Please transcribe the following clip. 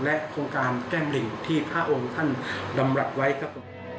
โครงการแก้มลิงที่พระองค์ท่านดำรัฐไว้ครับผม